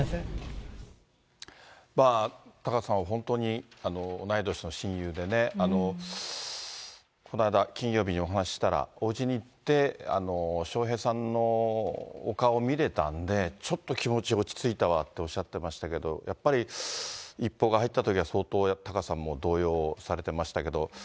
タカさんは、本当に同い年の親友でね、この間、金曜日にお話したら、おうちに行って、笑瓶さんのお顔見れたんで、ちょっと気持ち落ち着いたわっておっしゃってましたけど、やっぱり一報が入ったときは、相当タカさんも動揺されてましたけど。